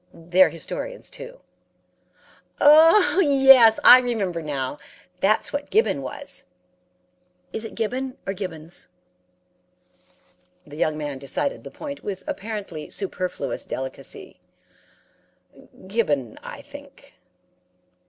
"'They're historians, too.' "'Oh, yes; I remember now. That's what Gibbon was. Is it Gibbon or Gibbons?' "The young man decided the point with apparently superfluous delicacy. 'Gibbon, I think.'